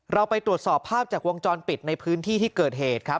เราไปตรวจสอบภาพจากวงจรปิดในพื้นที่ที่เกิดเหตุครับ